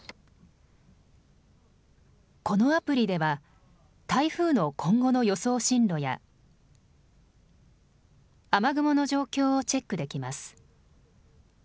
このアプリでは台風の今後の予想進路や雨雲の状況をチェックできます。